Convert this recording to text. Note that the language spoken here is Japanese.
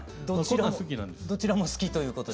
どちらも好きということで。